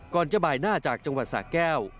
ก่อนจะบ่ายหน้าจากจังหวัดสะแก้ว